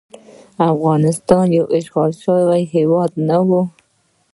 افغانستان یو اشغال شوی هیواد نه وو.